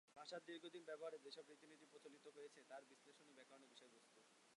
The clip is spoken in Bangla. ভাষার দীর্ঘদিন ব্যবহারে যেসব রীতিনীতি প্রচলিত হয়েছে, তার বিশ্লেষণই ব্যাকরণের বিষয়বস্তু।